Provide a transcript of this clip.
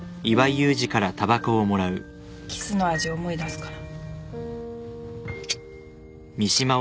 キスの味思い出すから